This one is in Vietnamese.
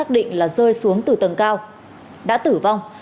rơi xuống từ tầng cao đã tử vong